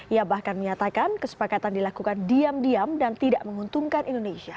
ia bahkan menyatakan kesepakatan dilakukan diam diam dan tidak menguntungkan indonesia